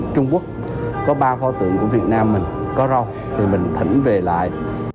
trung quốc có ba phó tượng của việt nam mình có râu thì mình thỉnh về lại